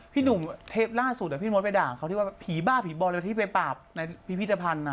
พี่หนุ่มเทปล่าสุดพี่มดไปด่าเขาที่ว่าผีบ้าผีบอลเร็วที่ไปปราบในพิพิธภัณฑ์